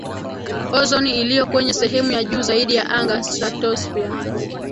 ozoni iliyo kwenye sehemu ya juu zaidi ya anga stratosphere